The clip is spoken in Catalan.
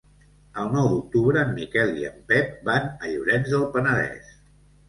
El nou d'octubre en Miquel i en Pep van a Llorenç del Penedès.